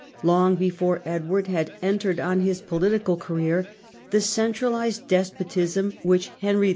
Long before Edward had entered on his political career, the centralised despotism which Henry II.